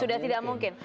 sudah tidak mungkin